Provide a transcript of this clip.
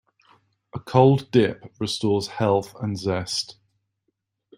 A cold dip restores health and zest.